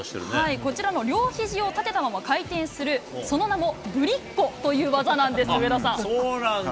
こちら、両ひじを立てたまま回転するその名もぶりっ子という技なんです、そうなんだ？